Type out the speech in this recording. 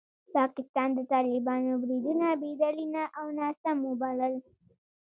پاکستان د طالبانو بریدونه بې دلیله او ناسم وبلل.